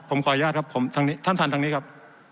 ผมขออนุญาตครับท่านทันทางนี้ครับ